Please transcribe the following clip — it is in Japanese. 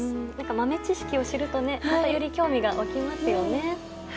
豆知識を知るとまたより興味が湧きますよね。